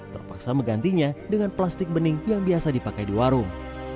terpaksa menggantinya dengan plastik bening yang biasa dipakai di warung